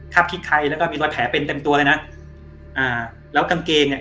คาบคิดใครแล้วก็มีรถแผลเป็นแปลงตัวเลยน่ะอ่าแล้วกางเกงอ่ะ